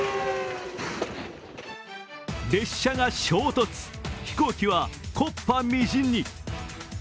列車が衝突、飛行機は木っ端みじんに。